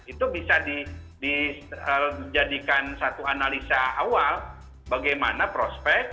itu bisa dijadikan satu analisa awal bagaimana prospek